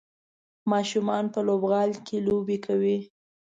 ماشومان په لوبغالي کې لوبې کوي.